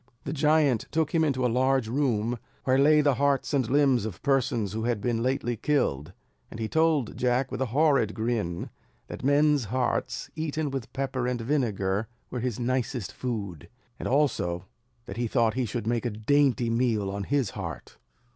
The giant took him into a large room where lay the hearts and limbs of persons who had been lately killed; and he told Jack, with a horrid grin, that men's hearts, eaten with pepper and vinegar, were his nicest food; and also, that he thought he should make a dainty meal on his heart.